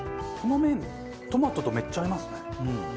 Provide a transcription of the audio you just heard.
この麺トマトとめっちゃ合いますね。